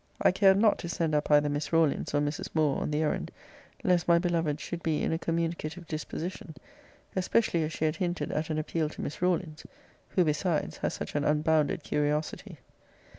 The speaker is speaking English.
I cared not to send up either Miss Rawlins or Mrs. Moore on the errand, lest my beloved should be in a communicative disposition; especially as she had hinted at an appeal to Miss Rawlins; who, besides, has such an unbounded curiosity.